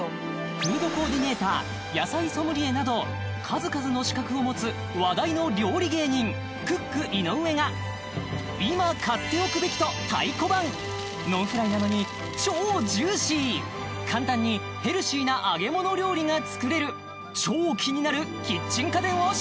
フードコーディネーター野菜ソムリエなど数々の資格を持つ話題の今買っておくべき！と太鼓判ノンフライなのに超ジューシー簡単にヘルシーな揚げ物料理が作れるを紹介！